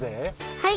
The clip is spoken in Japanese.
はい！